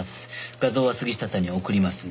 画像は杉下さんに送りますんで。